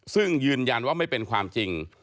ซึ่งยืนยันว่าไม่เป็นความจริง